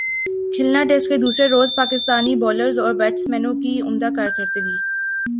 کھلنا test کے دوسرے روز پاکستانی بالرزاور بیٹسمینوں کی عمدہ کارکردگی